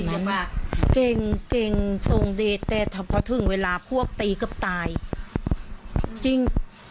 นั้นมาเก่งเก่งส่วนดีแต่เพราะถึงเวลาพวกตีกับตายจริง